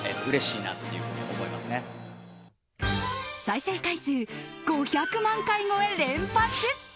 再生回数５００万回超え連発！